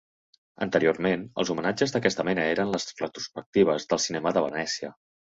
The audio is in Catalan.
Anteriorment, els homenatges d'aquesta mena eren les retrospectives del Cinema de Venècia.